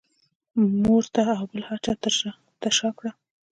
مور ته او بل هر چا ته شا کړه.